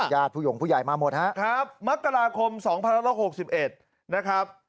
ญาติผู้หยงผู้ใหญ่มาหมดครับมกราคม๒๑๖๑นะครับ